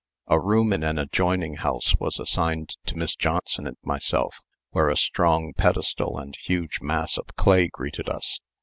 A room in an adjoining house was assigned to Miss Johnson and myself, where a strong pedestal and huge mass of clay greeted us.